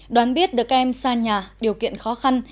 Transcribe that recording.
đoán biết được các em xa nhà điều kiện khó khăn